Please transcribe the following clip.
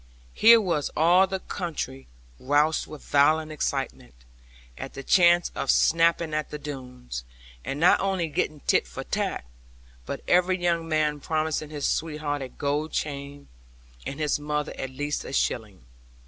Here was all the country roused with violent excitement, at the chance of snapping at the Doones; and not only getting tit for tat; but every young man promising his sweetheart a gold chain, and his mother at least a shilling.